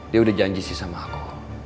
dia udah janji sih sama aku